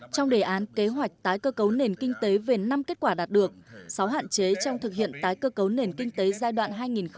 trong đề án kế hoạch tái cơ cấu nền kinh tế về năm kết quả đạt được sáu hạn chế trong thực hiện tái cơ cấu nền kinh tế giai đoạn hai nghìn một mươi sáu hai nghìn hai mươi